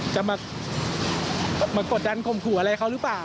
จะมากดดันข่มขู่อะไรเขาหรือเปล่า